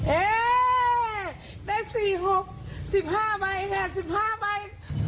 เอ๊ะได้๔๖๑๕ใบ